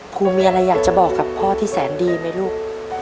ครูมีอะไรอยากจะบอกกับพ่อที่แสนดีไหมลูก